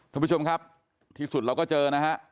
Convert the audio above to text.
ท่านผู้ชมครับที่สุดเราก็เจอนะฮะ